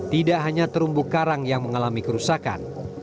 tidak hanya terumbu karang yang mengalami kerusakan